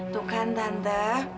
tuh kan tante